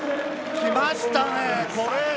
来ましたね。